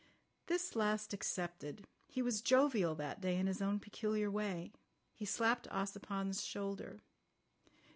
This last accepted. He was jovial that day in his own peculiar way. He slapped Ossipon's shoulder.